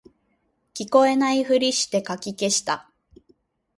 聞こえないふりしてかき消した